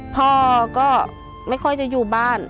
พ่อก็ไม่ค่อยจะอยู่บ้าน